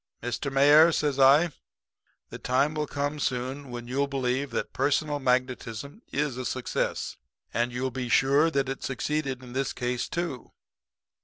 "'Mr. Mayor,' says I, 'the time will come soon when you'll believe that personal magnetism is a success. And you'll be sure that it succeeded in this case, too.'